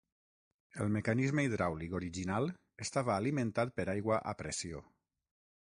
El mecanisme hidràulic original estava alimentat per aigua a pressió.